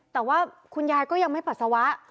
แต่ว่าคุณยายก็ยังไม่ปัสสาวะ